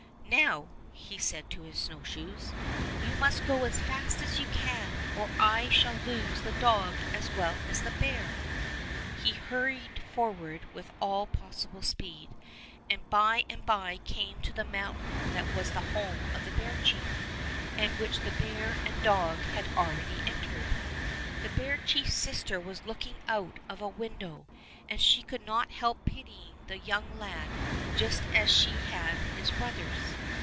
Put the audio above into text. "Now," he said to his snowshoes, must go as fast as you can, or I shall lose the dog as well as the bear." He hurried forward with all possible speed, and by and by came to the mountain that was the home of the bear chief, and which the bear and dog had already entered. The bear chief's sister was looking out of a win dow, and she could not help pitying the young lad just as she had his brothers.